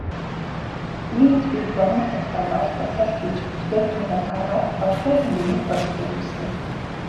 Иймд бид богино хугацаанд олборлолт хийж бүтээгдэхүүнээ гаргаад тодорхой хэмжээний хуримтлал үүсгэнэ.